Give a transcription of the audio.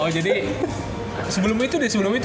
oh jadi sebelum itu sebelum itu